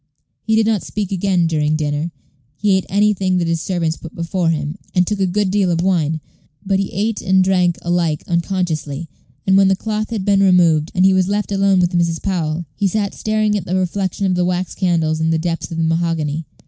He did not speak again during dinner. He ate anything that his servants put before him, and took a good deal of wine; but he ate and drank alike unconsciously, and when the cloth had been removed, and he was left alone with Mrs. Powell, he sat staring at the reflection of the wax candles in the depths of the mahogany.